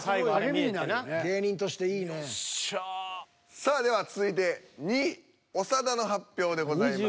さあでは続いて２位長田の発表でございます。